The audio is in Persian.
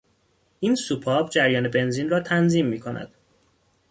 این سوپاپ جریان بنزین را تنظیم می کند.